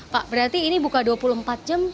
pak berarti ini buka dua puluh empat jam